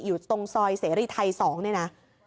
อยู่ตรงซอยเสรีไทย๒เนี่ยนะ